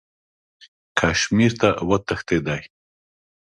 کشمیر ته وتښتېدی.